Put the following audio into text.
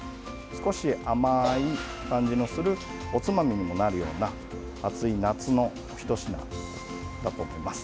少し甘い感じのするおつまみにもなるような暑い夏の一品になると思います。